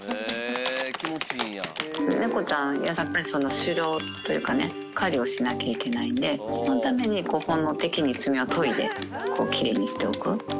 猫ちゃん、やっぱり狩猟というかね、狩りをしなきゃいけないんで、そのために本能的に爪は研いで、きれいにしておく。